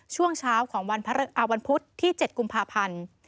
ช่วงเช้าของวันพระอาวันพุธที่๗กุมภาพันธ์